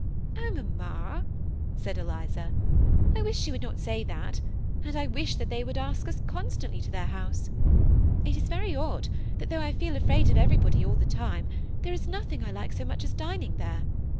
*'<< Oh, mamma I " said Eliza, ^ I wish you would not • say that ; and I wish they would ask us constantly to their house. It is very odd, that though I feel afraid of everybody all the time, there is nothing I like so much as dining there.